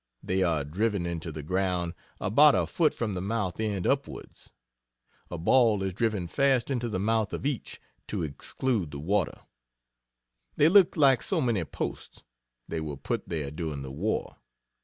They are driven into the ground, about a foot, with the mouth end upwards. A ball is driven fast into the mouth of each, to exclude the water; they look like so many posts. They were put there during the war.